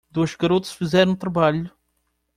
Duas garotas fizeram o trabalho.